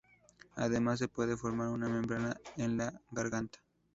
Además, se puede formar una membrana en la garganta.